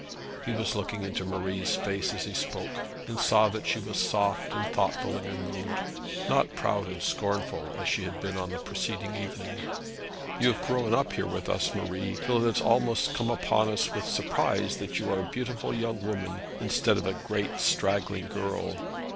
He was looking into Marie's face as he spoke, and saw that she was soft and thoughtful in her mood, not proud and scornful as she had been on the preceding evening. 'You have grown up here with us, Marie, till it has almost come upon us with surprise that you are a beautiful young woman, instead of a great straggling girl.'